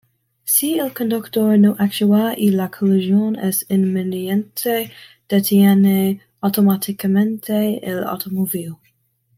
Si el conductor no actúa y la colisión es inminente detiene automáticamente el automóvil.